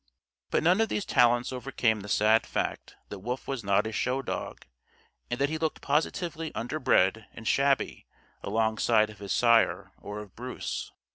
But none of these talents overcame the sad fact that Wolf was not a show dog and that he looked positively underbred and shabby alongside of his sire or of Bruce.